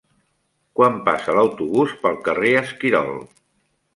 Quan passa l'autobús pel carrer Esquirol?